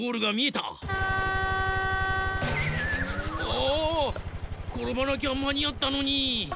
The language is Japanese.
あころばなきゃまにあったのに！